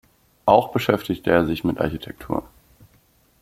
Auch beschäftigte er sich mit Architektur.